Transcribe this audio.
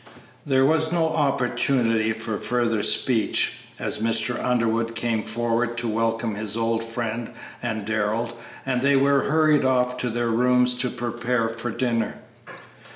There was no opportunity for further speech, as Mr. Underwood came forward to welcome his old friend and Darrell, and they were hurried off to their rooms to prepare for dinner.